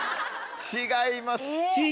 違います。